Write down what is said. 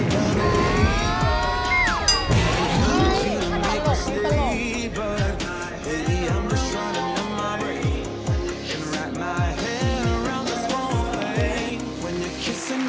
มันตลก